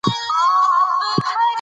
لعل د افغانستان د زرغونتیا نښه ده.